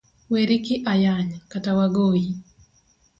weri gi ayany, kata wagoyi.